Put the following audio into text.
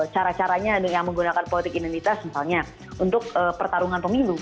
cara caranya yang menggunakan politik identitas misalnya untuk pertarungan pemilu